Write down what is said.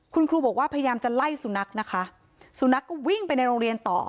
คุณครูบอกว่าพยายามจะไล่สุนัขนะคะสุนัขก็วิ่งไปในโรงเรียนต่อ